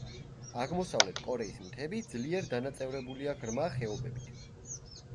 აღმოსავლეთ კორეის მთები ძლიერ დანაწევრებულია ღრმა ხეობებით.